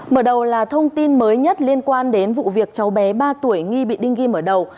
mở đầu là thông tin mới nhất liên quan đến vụ việc cháu bé ba tuổi nghi bị đinh ghi mở đầu